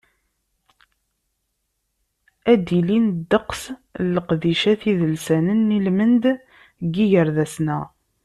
Ad d-ilin ddeqs n leqdicat idelsanen i lmend n yigerdan-a.